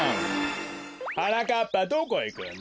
はなかっぱどこへいくんだ？